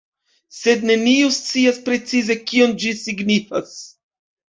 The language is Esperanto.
Sed neniu scias, precize kion ĝi signifas.